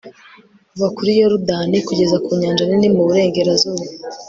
kuva kuri yorudani kugeza ku nyanja nini, mu burengerazuba